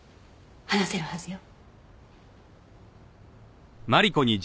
話せるはずよ。